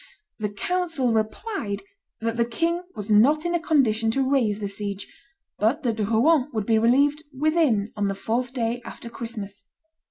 The council replied that the king was not in a condition to raise the siege, but that Rouen would be relieved "within" on the fourth day after Christmas.